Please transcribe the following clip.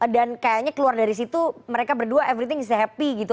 dan kayaknya keluar dari situ mereka berdua everything is happy gitu